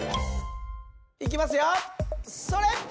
いきますよそれっ！